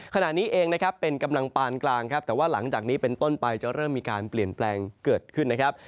ขณะนี้เองนะครับเป็นกำลังปานกลางครับแต่ว่าหลังจากนี้เป็นต้นไปจะเริ่มมีการเปลี่ยนแปลงเกิดขึ้นนะครับ